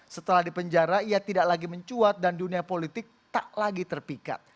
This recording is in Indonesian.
setelah di penjara ia tidak lagi mencuat dan dunia politik tak lagi terpikat